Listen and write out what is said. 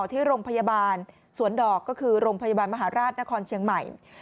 ที่โรงพยาบาลสวนดอกก็คือโรงพยาบาลมหาราชนครเชียงใหม่